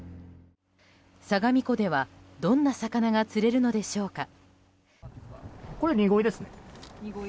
相模湖ではどんな魚が釣れるのでしょうか。